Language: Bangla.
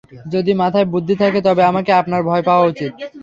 যদি মাথায় বুদ্ধি থাকে, তবে আমাকে আপনার ভয় পাওয়া উচিত।